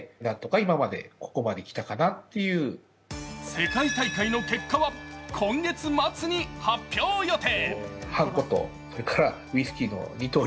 世界大会の結果は、今月末に発表予定。